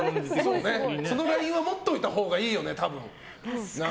そのラインは持っておいたほうがいいよね、多分。